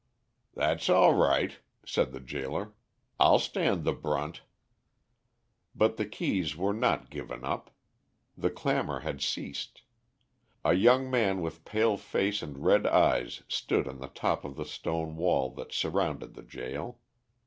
"That's all right," said the gaoler, "I'll stand the brunt." But the keys were not given up. The clamour had ceased. A young man with pale face and red eyes stood on the top of the stone wall that surrounded the gaol.